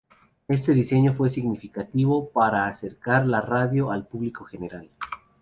Este diseño fue significativo para acercar la radio al público en general.